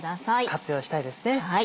活用したいですね。